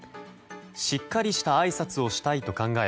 しっかりしたあいさつをしたいと考え